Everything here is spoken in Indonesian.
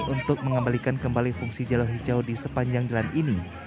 untuk mengembalikan kembali fungsi jalan hijau di sepanjang jalan ini